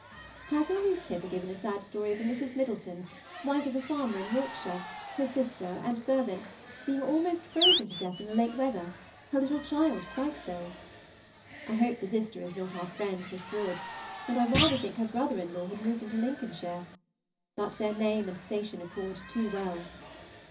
Has your newspaper given a sad story of a Mrs. Middleton, wife of a farmer in Yorkshire, her sister, and servant, being almost frozen to death in the late weather, her little child quite so? I hope the sister is not our friend Miss Woodd, and I rather think her brother in law had moved into Lincolnshire, but their name and station accord too well.